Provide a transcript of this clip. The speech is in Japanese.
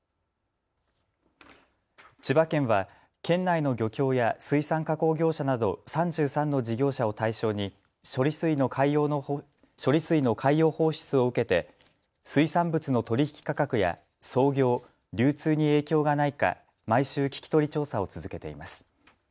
千葉県は県内の漁協や水産加工業者など３３の事業者を対象に処理水の海洋放出を受けて水産物の取り引き価格や操業、流通に影響がないか毎週聞き取り調査を続けています。